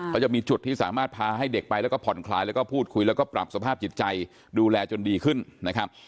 เขาจะมีจุดที่สามารถพาให้เด็กไปแล้วก็ผ่อนคลายแล้วก็พูดคุยแล้วก็ปรับสภาพจิตใจดูแลจนดีขึ้นนะครับ